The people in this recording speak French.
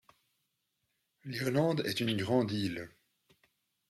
L'Irlande est une grande île.